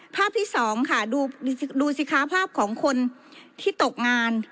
ภาพที่สองค่ะดูสิคะภาพของคนที่ตกงาน